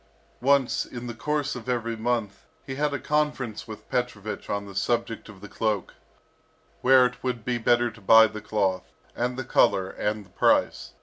Once, in the course of every month, he had a conference with Petrovich on the subject of the cloak, where it would be better to buy the cloth, and the colour, and the price.